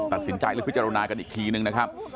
ตัดสินใจและพิจารณากันอีกครึ่งนึงนะครับ